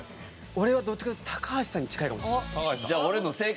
俺はどっちかというと高橋さんに近いかもしれない。